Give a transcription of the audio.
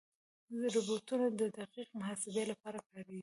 روبوټونه د دقیق محاسبې لپاره کارېږي.